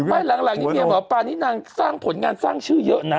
หลังนี้เมียหมอปลานี่นางสร้างผลงานสร้างชื่อเยอะนะ